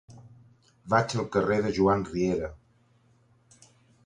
Vaig al carrer de Joan Riera.